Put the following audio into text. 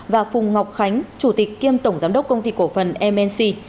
và phùng ngọc khánh chủ tịch kiêm tổng giám đốc công ty cổ phần mc